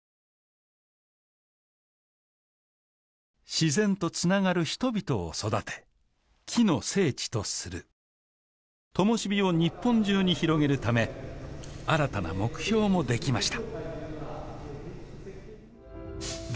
自然とつながる人々を育て木の聖地とするともし火を日本中に広げるため新たな目標もできました